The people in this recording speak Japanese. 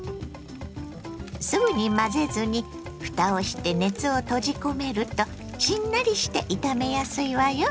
すぐに混ぜずにふたをして熱を閉じ込めるとしんなりして炒めやすいわよ。